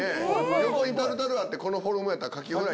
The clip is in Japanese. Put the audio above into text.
横にタルタルあって、このフォルムやったら、カキフライ。